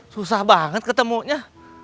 susah banget ketemunya